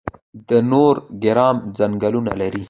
د نورګرام ځنګلونه لري